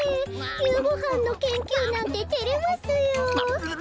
ゆうごはんのけんきゅうなんててれますよ。